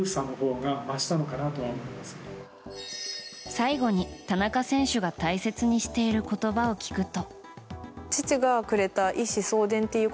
最後に、田中選手が大切にしている言葉を聞くと。